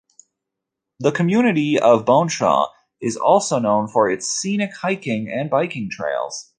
The community of Bonshaw is also known for its scenic hiking and biking trails.